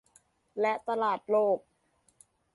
และตลาดโลก